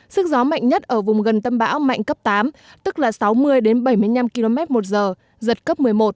sức gió mạnh nhất ở vùng gần tâm bão mạnh cấp tám tức là sáu mươi đến bảy mươi năm km một giờ giật cấp một mươi một